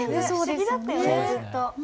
不思議だったよねずっと。